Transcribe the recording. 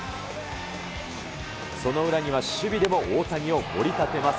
その裏には守備でも大谷をもり立てます。